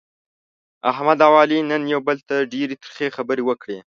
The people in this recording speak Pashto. احمد او علي نن یو بل ته ډېرې ترخې خبرې وکړلې.